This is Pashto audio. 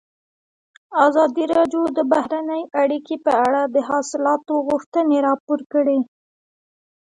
ازادي راډیو د بهرنۍ اړیکې په اړه د اصلاحاتو غوښتنې راپور کړې.